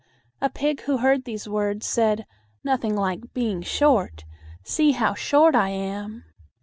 A pig who heard these words said, "Nothing like being short; see how short I am!"